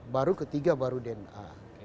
baru ketiga baru dna